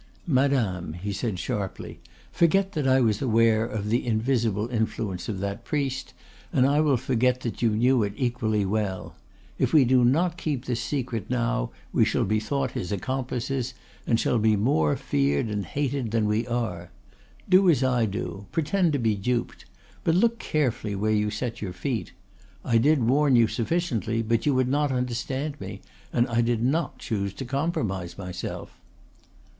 "Madame," he said, sharply, "forget that I was aware of the invisible influence of that priest, and I will forget that you knew it equally well. If we do not keep this secret now we shall be thought his accomplices, and shall be more feared and hated than we are. Do as I do; pretend to be duped; but look carefully where you set your feet. I did warn you sufficiently, but you would not understand me, and I did not choose to compromise myself."